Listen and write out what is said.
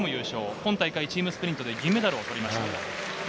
今大会チームスプリントで銀メダルを取りました。